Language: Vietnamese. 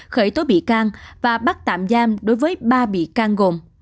khởi tố bị can và bắt tạm giam đối với ba bị can gồm